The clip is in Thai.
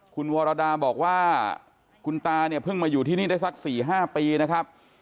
คุณวรดาบอกว่าคุณตาเนี่ยเพิ่งมาอยู่ที่นี่ได้สัก๔๕ปีนะครับ